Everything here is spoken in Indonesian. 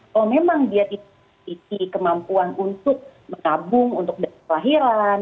kalau memang dia tidak memiliki kemampuan untuk menabung untuk dana kelahiran